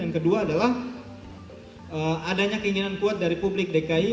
yang kedua adalah adanya keinginan kuat dari publik dki